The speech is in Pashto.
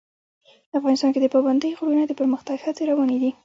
افغانستان کې د پابندی غرونه د پرمختګ هڅې روانې دي.